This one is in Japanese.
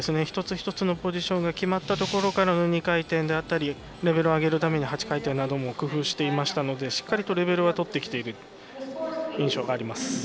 一つ一つのポジションが決まったところからの２回転であったりレベルを上げるために８回転なども工夫していましたのでしっかりとレベルはとってきている印象です。